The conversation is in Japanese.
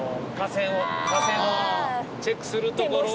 架線をチェックする所を。